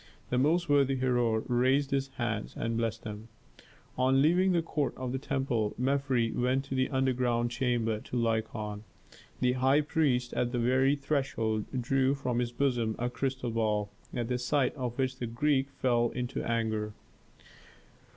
The most worthy Herhor raised his hands and blessed them. On leaving the court of the temple, Mefres went to the underground chamber to Lykon. The high priest at the very threshold drew from his bosom a crystal ball, at the sight of which the Greek fell into anger.